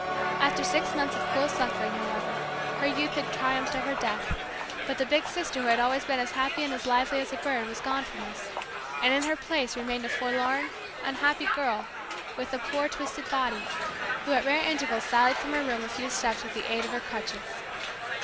After six months of cruel suffering, however, her youth had triumphed over death; but the big sister who had always been as happy and as lively as a bird was gone from us, and in her place remained a forlorn, unhappy girl with a poor twisted body, who at rare intervals sallied from her room a few steps with the aid of her crutches.